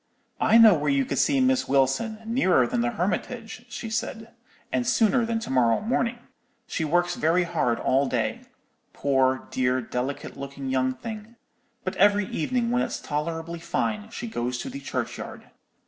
"'I know where you could see Miss Wilson, nearer than the Hermitage,' she said, 'and sooner than to morrow morning. She works very hard all day,—poor, dear, delicate looking young thing; but every evening when it's tolerably fine, she goes to the churchyard.